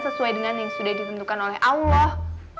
sesuai dengan yang sudah ditentukan oleh allah